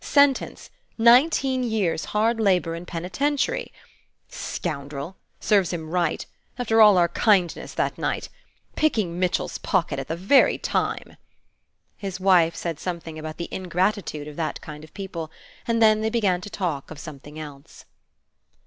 Sentence, nineteen years hard labor in penitentiary. Scoundrel! Serves him right! After all our kindness that night! Picking Mitchell's pocket at the very time!" His wife said something about the ingratitude of that kind of people, and then they began to talk of something else.